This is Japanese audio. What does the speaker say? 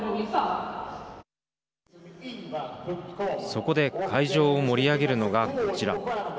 そこで会場を盛り上げるのがこちら。